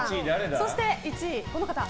そして１位、この方。